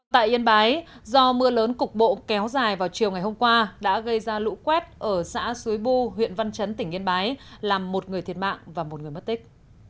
tại yên bái do mưa lớn cục bộ kéo dài vào chiều ngày hôm qua đã gây ra lũ quét ở xã suối bu huyện văn chấn tỉnh yên bái làm một người thiệt mạng và một người mất tích